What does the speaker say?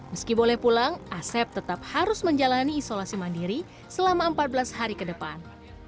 meski boleh pulang asep tetap harus menjalani isolasi mandiri selama empat belas hari ke depan